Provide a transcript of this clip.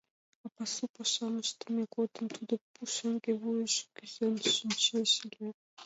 «А пасу пашам ыштыме годым тудо пушеҥге вуйыш кӱзен шинчеш ыле».